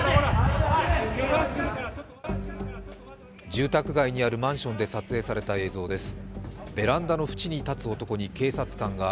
住宅街にあるマンションで撮影された映像です。